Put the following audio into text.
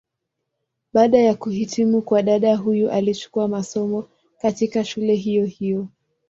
Baada ya kuhitimu kwa dada huyu alichukua masomo, katika shule hiyo hiyo.